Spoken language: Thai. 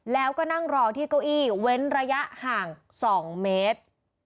แล้วก็นั่งรอที่เก้าอี้เว้นระยะห่าง๒เมตร